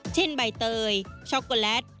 เช่นใบเตยช็อกโกแลต